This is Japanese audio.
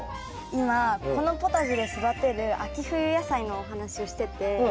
今このポタジェで育てる秋冬野菜のお話をしてて。